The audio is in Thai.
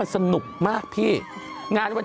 สังหรับ